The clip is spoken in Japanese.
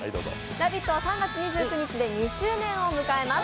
「ラヴィット！」は３月２９日で２周年を迎えます。